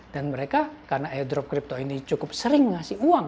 dan mereka karena airdrop crypto ini cukup sering ngasih uang